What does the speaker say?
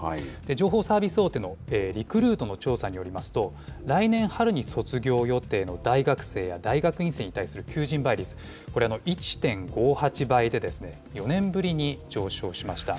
情報サービス大手のリクルートの調査によりますと、来年春に卒業予定の大学生や大学院生に対する求人倍率、これ、１．５８倍で、４年ぶりに上昇しました。